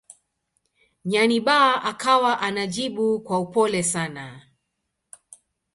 Nyanibah akawa anajibu kwa upole sana